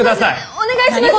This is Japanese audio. お願いします！